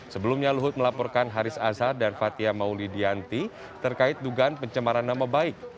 sebelumnya luhut melaporkan haris azhar dan fathia mauli dianti terkait dugaan pencemaran nama baik